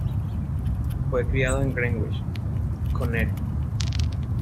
Fue criado en Greenwich, Connecticut.